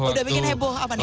sudah bikin heboh apa